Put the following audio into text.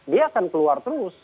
dia akan keluar terus